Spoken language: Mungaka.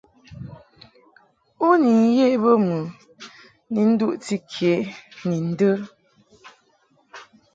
U ni ye bə mɨ ni nduʼti ke ni ndə ?